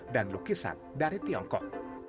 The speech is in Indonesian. dan lukisan dari tiongkok